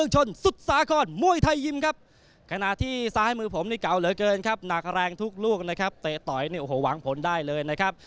หนักแรงทุกลูกนะครับเตะต่อยเนี่ยโอ้โหหวังผลได้เลยนะครับ